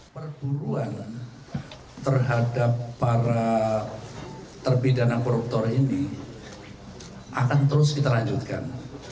perburuan terhadap para terpidana koruptor ini akan terus kita lanjutkan